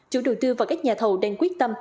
các nhà thầu đang quyết tâm